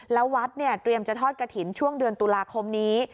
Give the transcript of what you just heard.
แล้ววัดเนี่ยเตรียมจะทอดกระถิ่นช่วงเดือนตุลาคมนี้